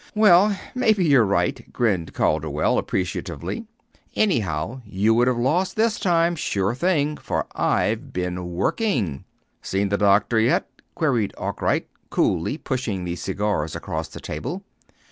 "Well, maybe you're right," grinned Calderwell, appreciatively. "Anyhow, you would have lost this time, sure thing, for I've been working." "Seen the doctor yet?" queried Arkwright, coolly, pushing the cigars across the table.